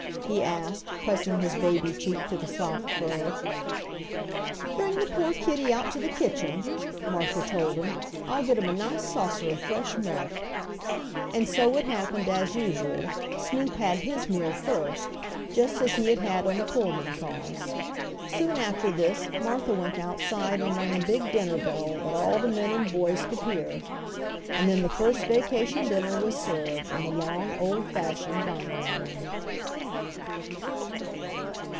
he asked, pressing his baby cheek to the soft fur. "Bring the poor kitty out to the kitchen," Martha told him. "I'll get him a nice saucer of fresh milk." And so it happened, as usual, Snoop had his meal first, just as he had had on the Pullman car. Soon after this Martha went outside and rang a big dinner bell that all the men and boys could hear. And then the first vacation dinner was served in the long old fashioned dining room.